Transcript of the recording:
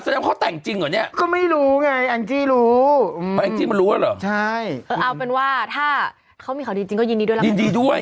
ด้วยครั้งถึงเอาเป็นว่าถ้าเขามีข่าวดีจริงก็ยินดีด้วยยินดีด้วย